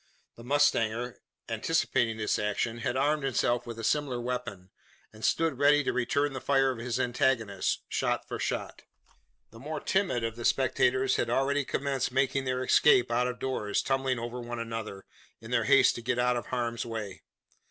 The mustanger, anticipating this action, had armed himself with a similar weapon, and stood ready to return the fire of his antagonist shot for shot. The more timid of the spectators had already commenced making their escape out of doors tumbling over one another, in their haste to get out of harm's way.